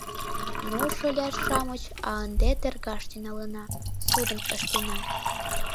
— Ну, шоляш-шамыч, а ынде тергаш тӱҥалына, судым ыштена...